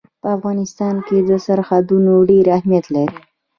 په افغانستان کې سرحدونه ډېر اهمیت لري.